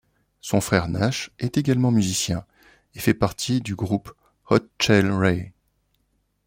Son frère Nash est également musicien, et fait partie du groupe Hot Chelle Rae.